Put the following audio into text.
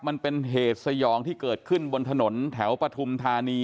มันเป็นเหตุสยองที่เกิดขึ้นบนถนนแถวปฐุมธานี